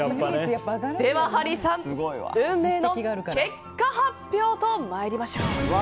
では、ハリーさん運命の結果発表と参りましょう。